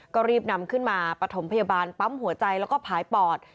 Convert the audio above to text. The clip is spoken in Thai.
ก็รีบนำขึ้นมาปฐมพยาบาลปั๊มหัวใจแล้วก็ผายปอด